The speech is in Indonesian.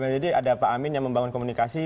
jadi ada pak amin yang membangun komunikasi